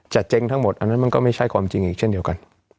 เจ๊งทั้งหมดอันนั้นมันก็ไม่ใช่ความจริงอีกเช่นเดียวกัน